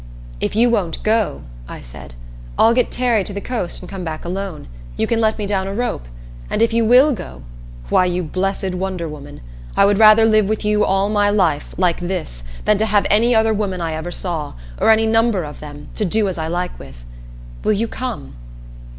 "If you won't go," I said, "I'll get Terry to the coast and come back alone. You can let me down a rope. And if you will go why you blessed wonder woman I would rather live with you all my life like this than to have any other woman I ever saw, or any number of them, to do as I like with. Will you come?"